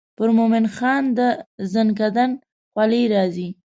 پر مومن خان د زکندن خولې راځي.